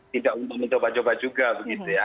tidak untuk mencoba coba juga begitu ya